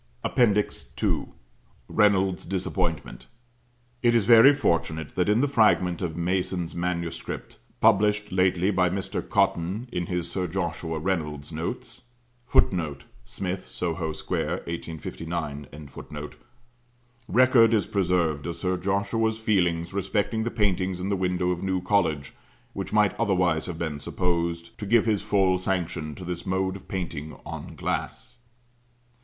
APPENDIX II. REYNOLDS' DISAPPOINTMENT. It is very fortunate that in the fragment of Mason's MSS., published lately by Mr. Cotton in his "Sir Joshua Reynolds' Notes," [Footnote: Smith, Soho Square, 1859.] record is preserved of Sir Joshua's feelings respecting the paintings in the window of New College, which might otherwise have been supposed to give his full sanction to this mode of painting on glass.